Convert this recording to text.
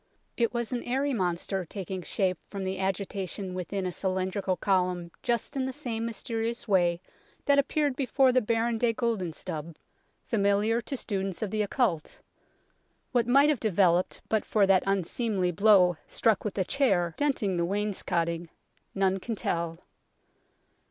It was an airy monster taking shape from the agitation within a cylindrical column just in the same mysterious way that appeared before the Baron de Guldenstubbe, familiar to students of the occult. What might have developed but for that unseemly blow struck with the chair, dent ing the wainscotting, none can tell.